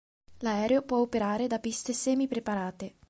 L'aereo può operare da piste semi preparate.